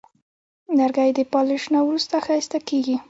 لرګی د پالش نه وروسته ښایسته کېږي.